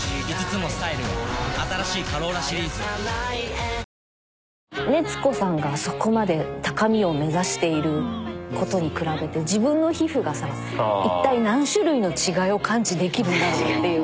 「碧Ａｏ」熱子さんがあそこまで高みを目指していることに比べて自分の皮膚がさ一体何種類の違いを感知できるんだろうっていう。